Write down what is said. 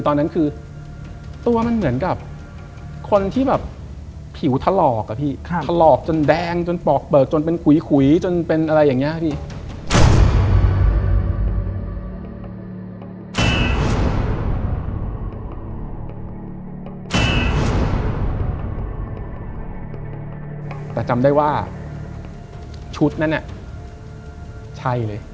แต่ว่าสเกลที่มันโดนยืนแล้วมันหัก